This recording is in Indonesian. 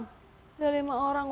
sudah lima orang